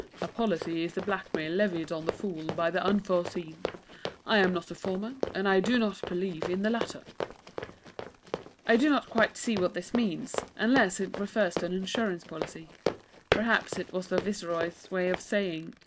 'A Policy is the blackmail levied on the Fool by the Unforeseen. I am not the former, and I do not believe in the latter.' I do not quite see what this means, unless it refers to an Insurance Policy. Perhaps it was the Viceroy's way of saying.